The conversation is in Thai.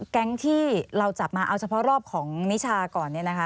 แก๊งที่เราจับมาเอาเฉพาะรอบของนิชาก่อน